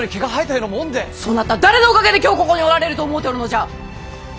そなた誰のおかげで今日ここにおられると思うておるのじゃ！